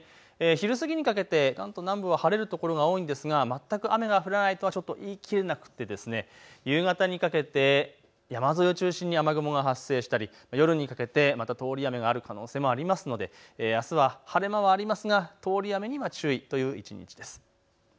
昼過ぎにかけて南部は晴れる所が多いんですが全く雨が降らないとはちょっと言いきれなくて夕方にかけて山沿いを中心に雨雲が発生したり夜にかけてまた通り雨がある可能性もありますので、あすは晴れ間もありますが通り雨には注意という一日です。